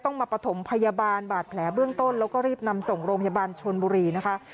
มาประถมพยาบาลบาดแผลเบื้องต้นแล้วก็รีบนำส่งโรงพยาบาลชนบุรีนะคะ